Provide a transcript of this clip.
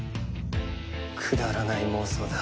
くだらない妄想だ。